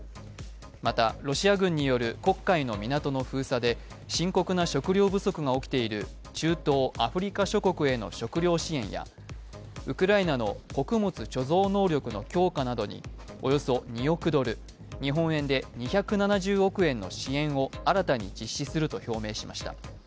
またロシア軍による黒海の港との封鎖で深刻な食料不足が起きている中東、アフリカ諸国への食料支援やウクライナの穀物貯蔵能力の強化などにおよそ２億ドル、日本円で２７０億円の支援を新たに実施すると表明しました。